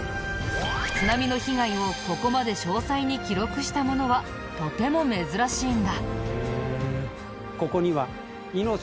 津波の被害をここまで詳細に記録したものはとても珍しいんだ。